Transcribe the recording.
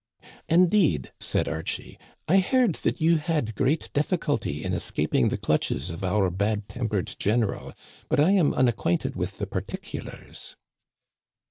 " Indeed," said Archie, " I heard that you had great difficulty in escaping the clutches of our bad tempered general, but I am unacquainted with the particulars."